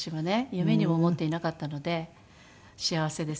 夢にも思っていなかったので幸せです。